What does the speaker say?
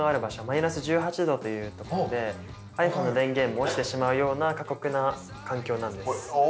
マイナス１８℃という所でｉＰｈｏｎｅの電源も落ちてしまうような過酷な環境なんです。